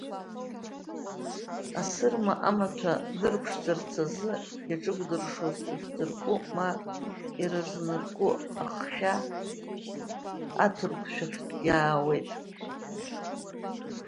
Асырма амаҭәа дырԥшӡарц азы иаҿыкәдыршоз ихьӡырку, ма иразнырку аххьа аҭырқәшәахьтә иаауеит.